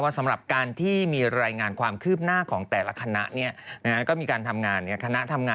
สำหรับการที่มีรายงานความคืบหน้าของแต่ละคณะก็มีการทำงาน